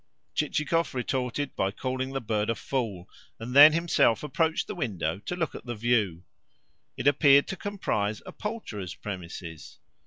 Chichikov retorted by calling the bird a fool, and then himself approached the window to look at the view. It appeared to comprise a poulterer's premises.